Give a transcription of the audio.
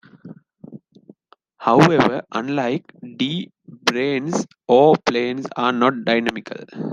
However, unlike D-branes, O-planes are not dynamical.